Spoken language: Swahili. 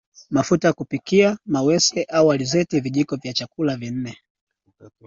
Mafuta ya kupikia mawese au alizeti Vijiko vya chakula nne